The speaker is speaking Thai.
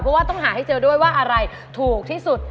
เพราะว่าต้องหาให้เจอด้วยว่าอะไรถูกที่สุด